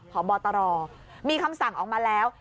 พบตรมีคำสั่งออกมาแล้ว